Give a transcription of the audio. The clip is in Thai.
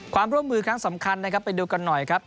ความร่วมมือครั้งสำคัญนะครับไปดูกันหน่อยครับ